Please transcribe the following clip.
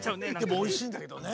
でもおいしいんだけどね。